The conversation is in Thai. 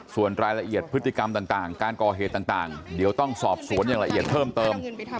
ส่วนรายละเอียดพฤติกรรมต่างการก่อเหตุต่างเดี๋ยวต้องสอบสวนอย่างละเอียดเพิ่มเติม